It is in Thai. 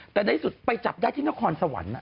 แต่ในสุดไปจับได้ที่นครสวรรค์